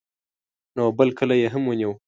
نو بل کلی یې هم ونیو.